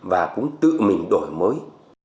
và cũng tự mình đổi mới